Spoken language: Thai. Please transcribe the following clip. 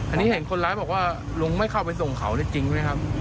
อันนี้เห็นคนร้ายบอกว่าลุงไม่เข้าไปส่งเขาเลยจริงใช่ไหมครับ